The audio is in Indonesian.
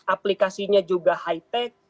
aplikasinya juga high tech